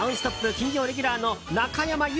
金曜レギュラーの中山優